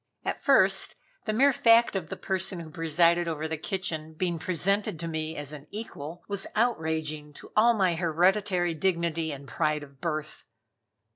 At first, the mere fact of the person who presided over the kitchen being presented to me as an equal, was outraging to all my hereditary dignity and pride of birth.